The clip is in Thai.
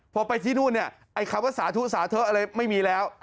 พอไปที่นู่นเนี่ยไอ้คำว่าสาธุสาธุอะไรไม่มีแล้ว